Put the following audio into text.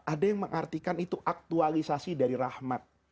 ada yang mengartikan itu aktualisasi dari rahmat